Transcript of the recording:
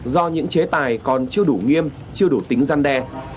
do những chế tài còn chưa đủ nghiêm chưa đủ tính gian đe